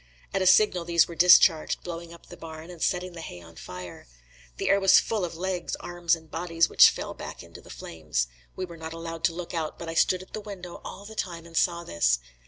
At a signal these were discharged, blowing up the barn and setting the hay on fire. The air was full of legs, arms and bodies, which fell back into the flames. We were not allowed to look out, but I stood at the window all the time and saw this.